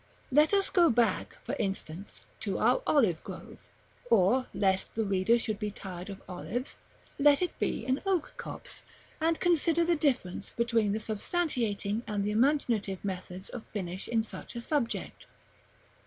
§ XXIV. Let us go back, for instance, to our olive grove, or, lest the reader should be tired of olives, let it be an oak copse, and consider the difference between the substantiating and the imaginative methods of finish in such a subject.